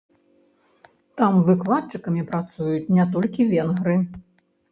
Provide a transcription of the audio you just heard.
Там выкладчыкамі працуюць не толькі венгры.